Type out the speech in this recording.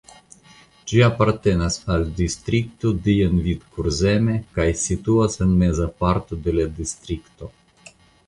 Ĝi apartenas al distrikto Dienvidkurzeme kaj situas en meza parto de la distrikto.